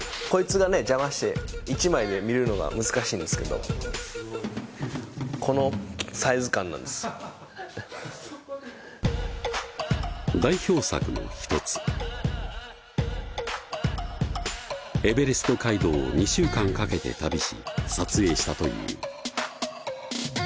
こいつがね邪魔して１枚で見るのが難しいんですけどこのサイズ感なんです代表作の一つエベレスト街道を２週間かけて旅し撮影したという